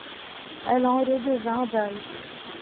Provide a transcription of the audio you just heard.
Elle en redevint belle.